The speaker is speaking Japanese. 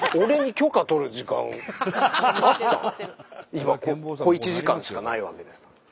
今小一時間しかないわけで。